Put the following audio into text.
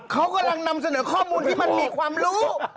เขากำลังนำเสนอข้อมูลที่มันมีความรู้